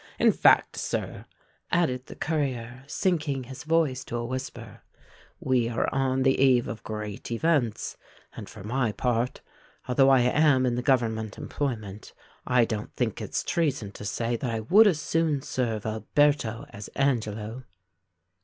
In fact, sir," added the courier, sinking his voice to a whisper, "we are on the eve of great events; and for my part—although I am in the government employment—I don't think it's treason to say that I would as soon serve Alberto as Angelo."